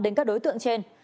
đến các đối tượng trên